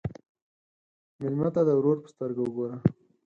مېلمه ته د ورور په سترګه وګوره.